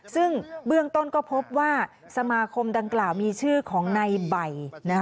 ซึ่งเบื้องต้นก็พบว่าสมาคมดังกล่าวมีชื่อของในใบ